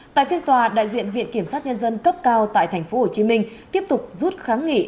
tại phiên tòa đại diện viện kiểm sát nhân dân cấp cao tại tp hcm tiếp tục rút kháng nghị